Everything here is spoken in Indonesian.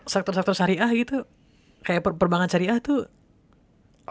sektor sektor syariah gitu kayak perbankan syariah tuh